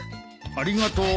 ありがとう。